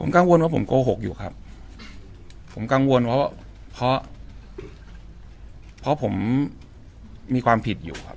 กังวลว่าผมโกหกอยู่ครับผมกังวลเพราะเพราะผมมีความผิดอยู่ครับ